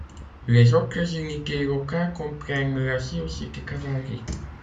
Les autres unités locales comprennent la Sioux City Cavalry.